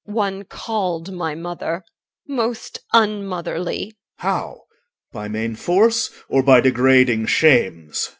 One called my mother, most unmotherly. OR. How? by main force, or by degrading shames?